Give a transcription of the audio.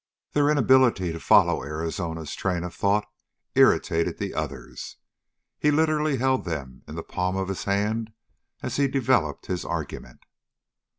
Their inability to follow Arizona's train of thought irritated the others. He literally held them in the palm of his hand as he developed his argument.